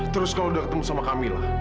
terus kalau udah ketemu sama camilla